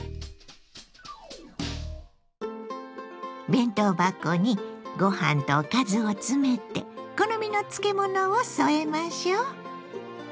弁当箱にご飯とおかずを詰めて好みの漬物を添えましょう。